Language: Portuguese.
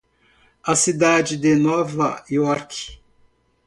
A cidade de Nova York.